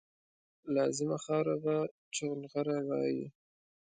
لازما خاوره به چونغره وایي